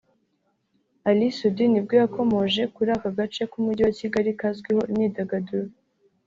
Ally Soudy ni bwo yakomoje kuri aka gace k’umujyi wa Kigali kazwiho imyidagaduro